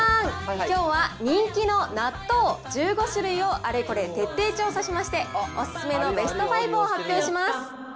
きょうは人気の納豆１５種類をあれこれ徹底調査しまして、お勧めのベスト５を発表します。